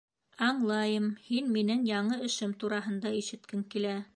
Аңлайым, һин минең яңы эшем тураһында ишеткең килә.